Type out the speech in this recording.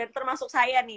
termasuk saya nih